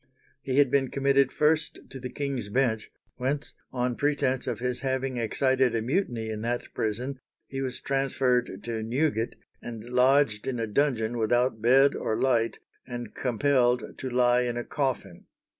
He had been committed first to the King's Bench, whence, on pretence of his having excited a mutiny in that prison, he was transferred to Newgate, and lodged in a dungeon without bed or light, and compelled to lie in a coffin.